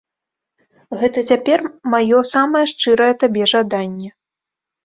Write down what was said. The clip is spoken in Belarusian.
Гэта цяпер маё самае шчырае табе жаданне.